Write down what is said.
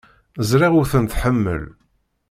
Ẓriɣ ur ten-tḥemmel.